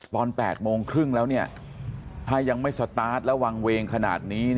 ตอน๘โมงครึ่งแล้วถ้ายังไม่สตาร์ทและวางเวงขนาดนี้